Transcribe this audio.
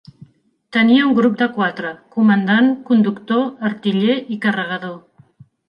Tenia un grup de quatre: comandant, conductor, artiller i carregador.